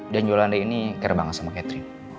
dan yolanda ini care banget sama catherine